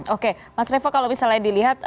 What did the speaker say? oke mas revo kalau misalnya dilihat